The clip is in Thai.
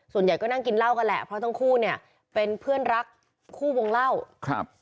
ส่วนใหญ่ก็นั่งกินเหล้ากันแหละเพราะทั้งคู่เนี่ยเป็นเพื่อนรักคู่วงเล่าครับ